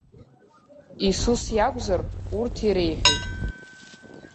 Иисус иакәзар, урҭ иреиҳәеит…